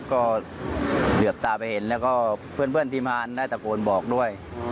ก็เหลือบตาไปเห็นแล้วก็เพื่อนที่มาได้ตะโกนบอกด้วย